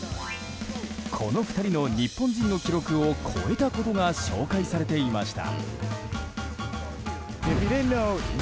この２人の日本人の記録を超えたことが紹介されていました。